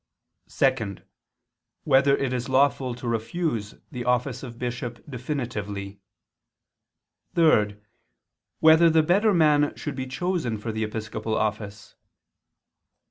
(2) Whether it is lawful to refuse the office of bishop definitively? (3) Whether the better man should be chosen for the episcopal office?